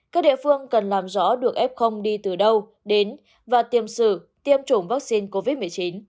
các địa phương cần làm rõ được f đi từ đâu đến và tiêm sử tiêm chủng vaccine covid một mươi chín